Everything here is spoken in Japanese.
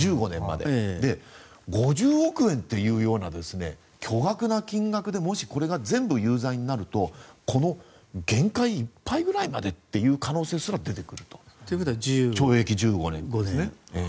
で、５０億円というような巨額な金額でもし、これが全部有罪になるとこの限界いっぱいぐらいまでっていう可能性すら出てくると。ということは懲役１５年。